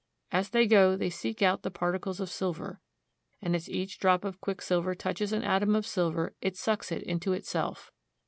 As they go they seek out the particles of silver, and as each drop of quicksilver touches an atom of silver it sucks it into itself.